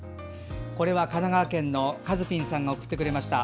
これは神奈川県のかずぴんさんが送ってくれました。